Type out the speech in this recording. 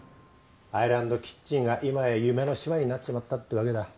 アイランドキッチンが今や夢の島になっちまったってわけだ。